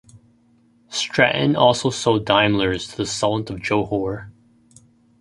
Stratton also sold Daimlers to the Sultan of Johor.